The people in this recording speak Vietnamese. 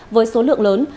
với số lượng lớn